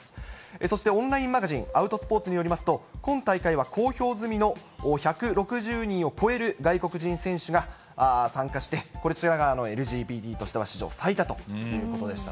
そしてオンラインマガジン、アウト・スポーツによりますと、今大会は公表済みの１６０人を超える外国人選手が参加して、こちらはＬＧＢＴとしては史上最多ということでした。